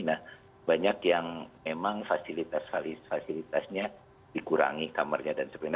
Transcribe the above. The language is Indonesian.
nah banyak yang memang fasilitas fasilitasnya dikurangi kamarnya dan sebagainya